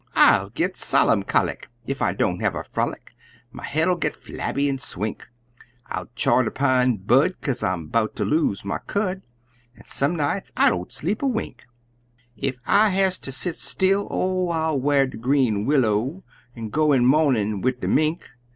"I'll git sollumcholic ef I don't have a frolic, My head'll git flabby an' swink; I chaw de pine bud, kaze I'm 'bout ter lose my cud An' some nights I don't sleep a wink! "Ef I has ter set still, oh, I'll w'ar de green willow, An' go in mo'nin' wid de Mink!